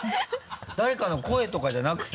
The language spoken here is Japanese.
誰かの声とかじゃなくて？